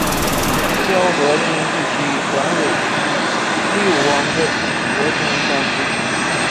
胶河经济区管委驻地六汪镇柏乡三村。